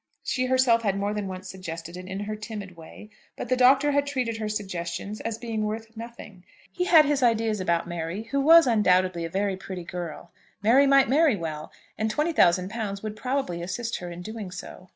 She herself had more than once suggested it in her timid way, but the Doctor had treated her suggestions as being worth nothing. He had his ideas about Mary, who was undoubtedly a very pretty girl. Mary might marry well, and £20,000 would probably assist her in doing so.